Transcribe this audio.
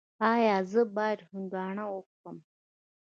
ایا زه باید هندواڼه وخورم؟